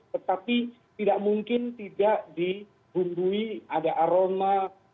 tetapi tidak mungkin tidak dibundui ada aroma perang rusia dan ukraina ini